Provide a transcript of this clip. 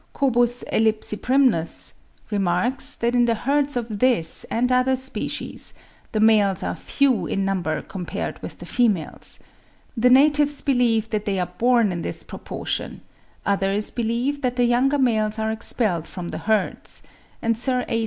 (Kobus ellipsiprymnus), remarks, that in the herds of this and other species, the males are few in number compared with the females: the natives believe that they are born in this proportion; others believe that the younger males are expelled from the herds, and Sir A.